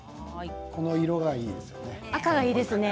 この色がいいですね。